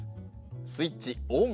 スイッチオン。